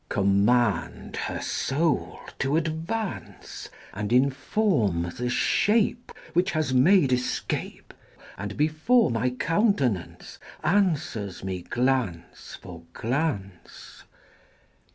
Command her soul to advance And inform the shape Which has made escape And before my countenance Answers me glance for glance XII.